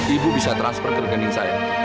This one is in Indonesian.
ibu bisa transfer ke rekening saya